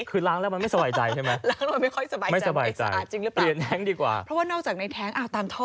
คือล้างแล้วมันไม่สบายใจใช่ไหม